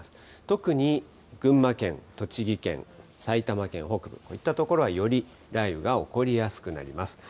特に群馬県、栃木県、埼玉県北部、こういった所は、より雷雨が起こりやすくなります。